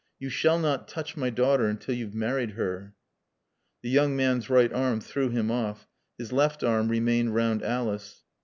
"You shall not touch my daughter until you've married her." The young man's right arm threw him off; his left arm remained round Alice.